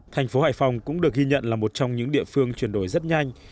thành phố hải phòng cũng được ghi nhận là một trong những địa phương chuyển đổi rất nhanh